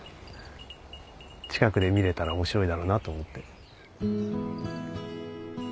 近くで見れたら面白いだろうなと思って。